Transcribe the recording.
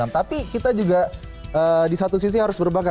tapi kita juga di satu sisi harus berbangga